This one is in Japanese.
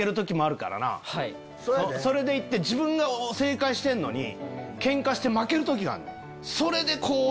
それで自分が正解してんのにケンカして負ける時があんねん。